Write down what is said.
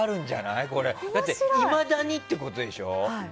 いまだにってことでしょ。